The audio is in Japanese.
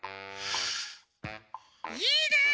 いいね！